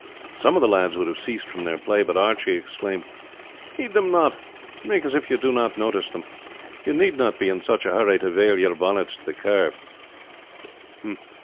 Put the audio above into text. Some of the lads would have ceased from their play; but Archie exclaimed: "Heed them not; make as if you did not notice them. You need not be in such a hurry to vail your bonnets to the Kerr."